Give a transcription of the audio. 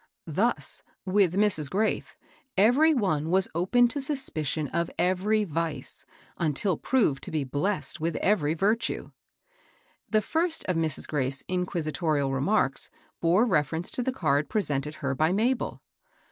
Thus, with Mrs. Graith, every one was open to suspicion of every vice^ until proved to be blessed with every virtue. The first of Mrs. Graith's inquisitorial remarks bore reference to the card presented her by Mabel.